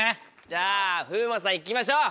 じゃあ風磨さんいきましょう。